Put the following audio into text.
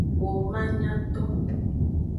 Womanyato.